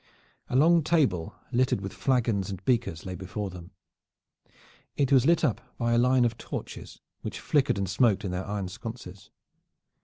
A long table littered with flagons and beakers lay before them. It was lit up by a line of torches, which flickered and smoked in their iron sconces.